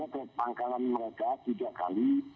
ke pangkalan mereka tiga kali